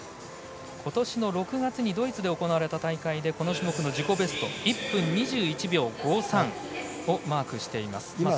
ことしの６月にドイツで行われた大会でこの種目の自己ベスト１分２５秒１３をマークしています。